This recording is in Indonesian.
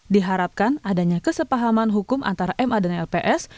diharapkan adanya kesepahaman hukum antara ma dan lps